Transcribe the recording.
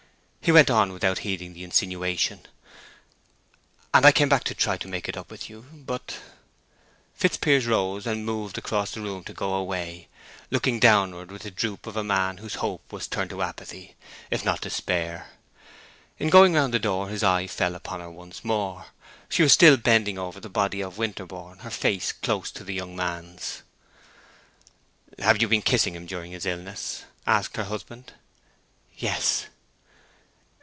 He went on without heeding the insinuation: "And I came back to try to make it up with you—but—" Fitzpiers rose, and moved across the room to go away, looking downward with the droop of a man whose hope was turned to apathy, if not despair. In going round the door his eye fell upon her once more. She was still bending over the body of Winterborne, her face close to the young man's. "Have you been kissing him during his illness?" asked her husband. "Yes."